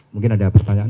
mungkin ada pertanyaan